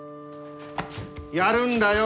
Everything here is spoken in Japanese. やるんだよ